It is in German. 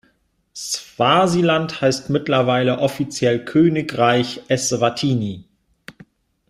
Swasiland heißt mittlerweile offiziell Königreich Eswatini.